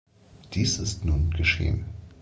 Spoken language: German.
Dies ist nun geschehen.